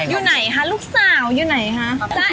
อยู่ไหนคะลูกสาวอยู่ไหนคะ